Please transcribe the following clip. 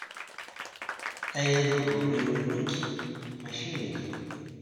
Aya d ugur-inu nekk, maci nnek.